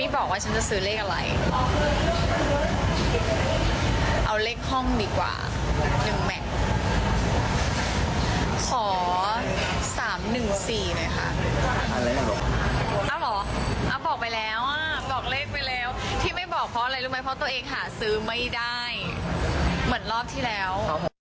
แล้วบอกไปแล้วบอกเลขไปแล้วที่ไม่บอกเพราะอะไรรู้ไหมเพราะตัวเองหาซื้อไม่ได้เหมือนรอบที่แล้ว